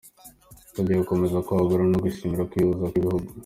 Tugiye gukomeza kwagura no gushimangira ukwihuza kw’ibihugu.